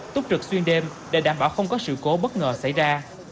túc trực xuyên đêm để đảm bảo không có sự cố bất ngờ xảy ra